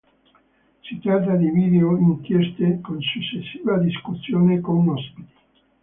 Si tratta di video-inchieste con successiva discussione con ospiti.